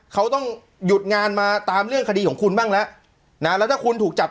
เขาต้องหยุดงานมาตามเรื่องคดีของคุณบ้างแล้วนะแล้วถ้าคุณถูกจับ